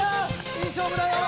いい勝負だよ！